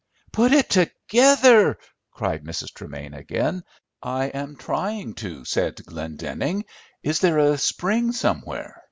"Put it together," cried Mrs. Tremain again. "I am trying to," said Glendenning, "is there a spring somewhere?"